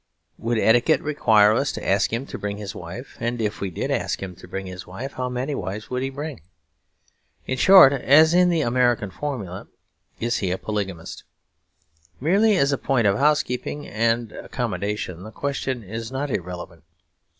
Would etiquette require us to ask him to bring his wife? And if we did ask him to bring his wife, how many wives would he bring? In short, as in the American formula, is he a polygamist? Merely as a point of housekeeping and accommodation the question is not irrelevant.